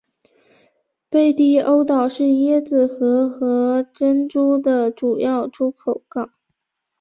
贝蒂欧岛是椰子核和珍珠的主要出口港。